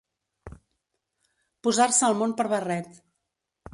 Posar-se el món per barret.